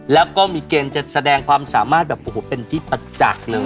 แล้วก็มีเกณฑ์จะแสดงความสามารถแบบโอ้โหเป็นที่ประจักษ์เลย